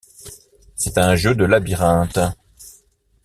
C'est un jeu de labyrinthe.